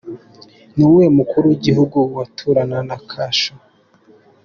Ni uwuhe Mukuru w’Igihugu waturana na kasho.